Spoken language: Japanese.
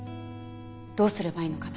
どうすればいいのかな？